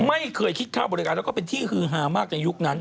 ไม่เคยคิดค่าบริการแล้วก็เป็นที่ฮือฮามากในยุคนั้น